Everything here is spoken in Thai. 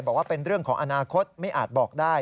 บอกว่าเป็นเรื่องของอนาคตไม่อาจบอกได้